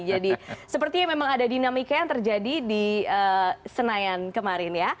jadi sepertinya memang ada dinamika yang terjadi di senayan